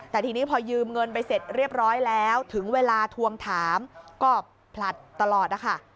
แต่ทีนี้พอยืมเงินไปเสร็จเรียบร้อยแล้วถึงเวลาทวงถามก็ผลัดตลอดนะคะ